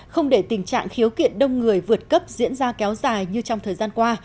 không để tình trạng khiếu kiện đông người vượt cấp diễn ra kéo dài như trong thời gian qua